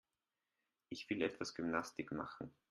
Ich will etwas Gymnastik machen.